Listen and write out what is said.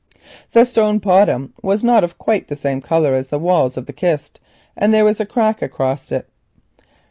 The stone bottom was not of quite the same colour as the walls of the chest, and there was a crack across it.